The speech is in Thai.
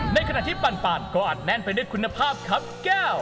ในขณะที่ปั่นก็อาจแน่นไปด้วยคุณภาพครับแก้ว